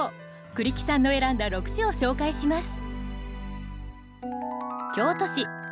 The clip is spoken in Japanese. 栗木さんの選んだ６首を紹介します。